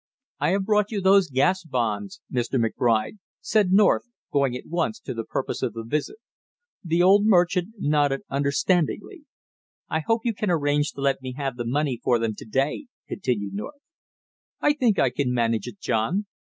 "I have brought you those gas bonds, Mr. McBride," said North, going at once to the purpose of his visit. The old merchant nodded understandingly. "I hope you can arrange to let me have the money for them to day," continued North. "I think I can manage it, John.